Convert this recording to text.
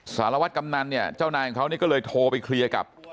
สารวัตรกำนันเนี่ยเจ้านายของเขานี่ก็เลยโทรไปเคลียร์กับ